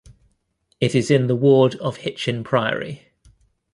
It is in the ward of Hitchin Priory.